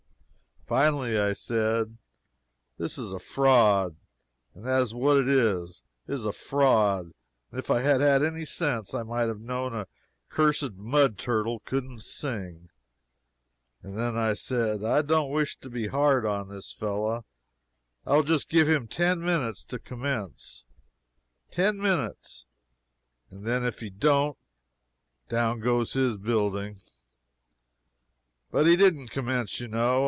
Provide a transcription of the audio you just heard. Finally I said, This is a fraud that is what it is, it is a fraud and if I had had any sense I might have known a cursed mud turtle couldn't sing. And then I said, I don't wish to be hard on this fellow, and I will just give him ten minutes to commence; ten minutes and then if he don't, down goes his building. But he didn't commence, you know.